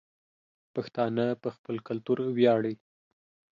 پښتانه په خپل کلتور وياړي